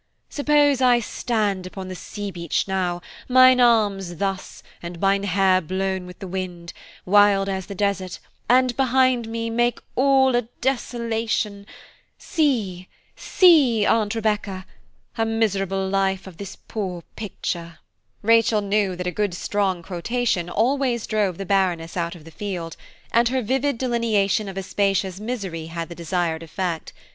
'Suppose I stand upon the sea beach now, Mine arms thus, and mine hair blown with the wind, Wild as the desert–and behind me– Make all a desolation–See! See! Aunt Rebecca, A miserable life of this poor picture.'" Rachel knew that a good strong quotation always drove the Baroness out of the field, and her vivid delineation of Aspasia's misery had the desired effect.